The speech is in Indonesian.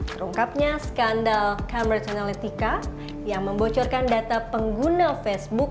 terungkapnya skandal cambridge analytica yang membocorkan data pengguna facebook